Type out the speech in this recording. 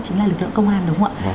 chính là lực lượng công an đúng không ạ